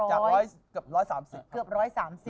จากเกือบเท่าไหร่๓๐ก้อนบาท